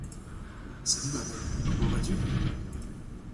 Salut ma belle, comment vas-tu ?